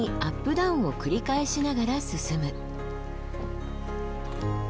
ダウンを繰り返しながら進む。